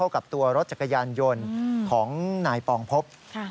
กับตัวรถจักรยานยนต์ของนายปองพบ